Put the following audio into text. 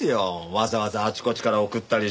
わざわざあちこちから送ったりして。